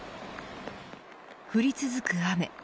降り続く雨。